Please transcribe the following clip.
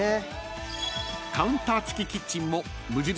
［カウンター付きキッチンも無印